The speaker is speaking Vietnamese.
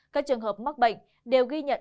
các trường hợp mắc bệnh đều ghi nhận